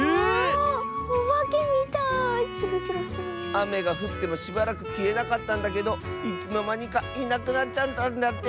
あめがふってもしばらくきえなかったんだけどいつのまにかいなくなっちゃったんだって！